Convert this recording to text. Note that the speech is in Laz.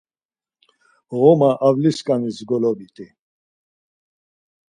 Ğoma avliskaniz golovit̆i.